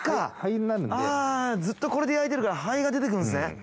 ずっとこれで焼いてるから灰が出てくるんすね。